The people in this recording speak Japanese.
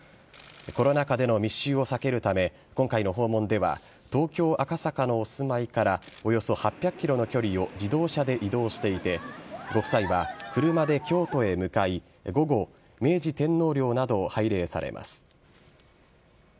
コロナ禍での密集を避けるため今回の訪問では東京・赤坂のお住まいからおよそ８００ｋｍの距離を自動車で移動していてご夫妻は車で京都へ向かい午後明治天皇陵などを拝礼されます。